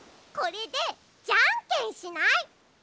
これでじゃんけんしない？